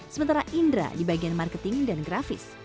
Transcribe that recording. sementara indra di bagian marketing dan grafis